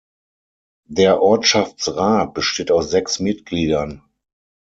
Der Ortschaftsrat besteht aus sechs Mitgliedern.